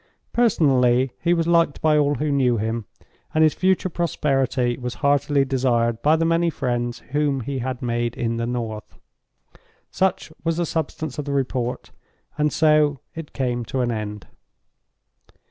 Personally, he was liked by all who knew him; and his future prosperity was heartily desired by the many friends whom he had made in the North. Such was the substance of the report, and so it came to an end.